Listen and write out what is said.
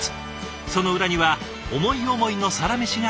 その裏には思い思いのサラメシがありました。